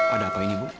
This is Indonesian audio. ada apa ini bu